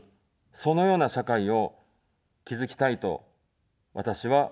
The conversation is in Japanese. そのような社会を築きたいと、私は思っています。